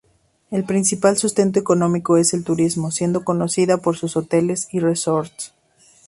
El principal sustento económico es el turismo, siendo conocida por sus hoteles y resorts.